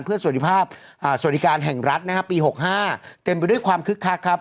เพื่อสวรรคภาพสรรค์การแห่งรัฐปี๑๙๖๕เต็มไปด้วยความคึกคักครับ